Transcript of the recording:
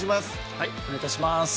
はいお願い致します